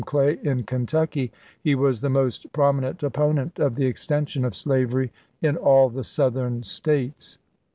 Clay in Kentucky, he was the most prominent opponent of the extension of slavery in all the Southern States.